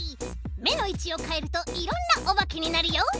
めのいちをかえるといろんなおばけになるよ！